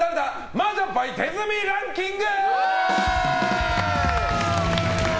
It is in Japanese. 麻雀牌手積みランキング！